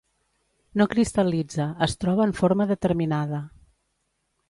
No cristal·litza, es troba en forma determinada.